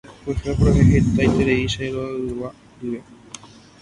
Kuehe apurahéi hetaiterei che rogaygua ndive.